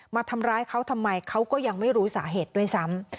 มาทำร้ายเขาทำไมเขาก็ยังไม่รู้สาเหตุด้วยซ้ำ